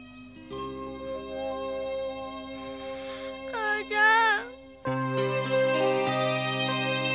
母ちゃん。